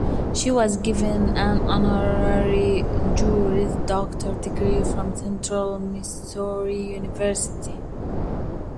She was given an honorary Juris Doctor degree from Central Missouri University.